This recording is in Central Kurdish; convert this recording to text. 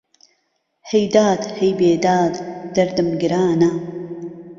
ههی داد ههی بێداد، دهردم گرانه